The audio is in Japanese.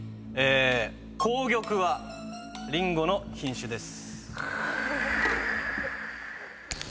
紅玉はりんごの品種です。